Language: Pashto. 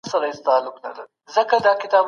کابینه ګډ بازار نه پریږدي.